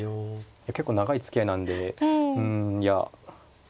結構長いつきあいなんでうんいや